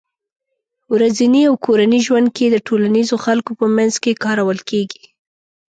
ورځني او کورني ژوند کې د ټولنيزو خلکو په منځ کې کارول کېږي